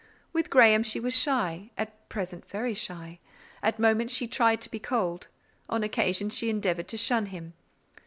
With Graham she was shy, at present very shy; at moments she tried to be cold; on occasion she endeavoured to shun him.